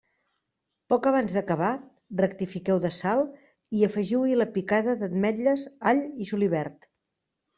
Poc abans d'acabar, rectifiqueu de sal i afegiu-hi la picada d'ametlles, all i julivert.